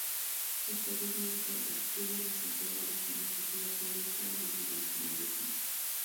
Posteriormente, obtuvo la cátedra de Filosofía teórica en la Universidad de Pisa.